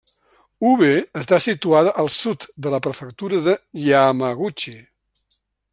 Ube està situada al sud de la prefectura de Yamaguchi.